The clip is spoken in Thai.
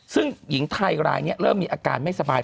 ซึ่งหญิงไทยรายนี้เริ่มมีอาการไม่สบาย